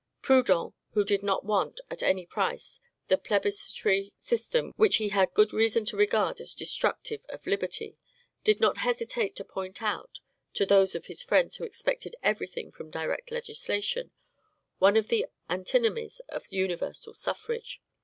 Proudhon, who did not want, at any price, the plebiscitary system which he had good reason to regard as destructive of liberty, did not hesitate to point out, to those of his friends who expected every thing from direct legislation, one of the antinomies of universal suffrage.